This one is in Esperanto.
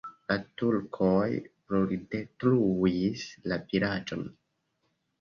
La turkoj bruldetruis la vilaĝon.